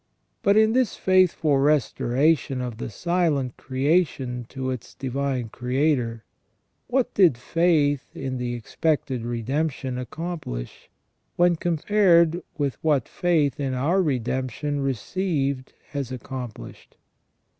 But in this faithful restoration of the silent creation to its Divine Creator, what did faith in the expected redemption accom plish, when compared with what faith in our redemption received has accomplished?